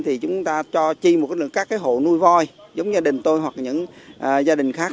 thì chúng ta cho chi một lượng các hộ nuôi voi giống như gia đình tôi hoặc những gia đình khác